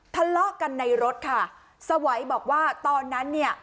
ทะเลาะกันในรถค่ะสวัยบอกว่าตอนนั้นเนี่ย